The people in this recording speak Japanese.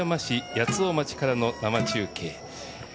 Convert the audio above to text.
八尾町からの生中継。